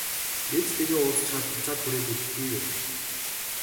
Ээжтэйгээ уулзчихаад буцаад хүрээд ирэхгүй юу?